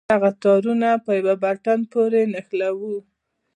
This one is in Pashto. دغه تارونه په يوه بټن پورې نښلوو.